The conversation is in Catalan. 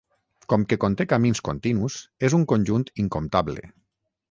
Com que conté camins continus, és un conjunt incomptable.